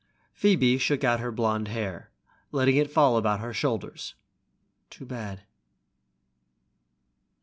Phoebe shook out her blonde hair, letting it fall about her shoulders. "Too bad."